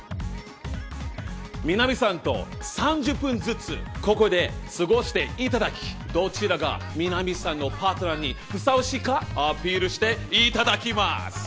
みなみさんと３０分ずつここで過ごしていただきどちらがみなみさんのパートナーに相応しいかアピールしていただきます！